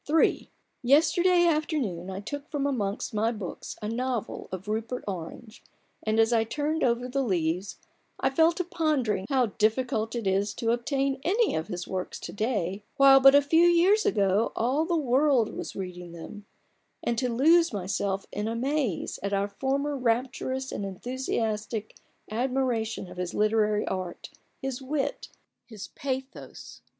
THE BARGAIN OF RUPERT ORANGE. 35 III Yesterday afternoon I took from amongst my books a novel of Rupert Orange, and as I turned over the leaves, I fell to pondering how difficult it is to obtain any of his works to day, while but a few years ago all the world was reading them ; and to lose myself in amaze at our former rapturous and enthu siastic admiration of his literary art, his wit, his pathos.